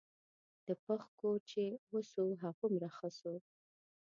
د پښ کور چې وسو هغومره ښه سو.